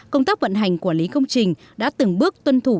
công tác vận hành quản lý công trình đã từng bước tuân thủ